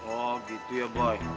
oh gitu ya boi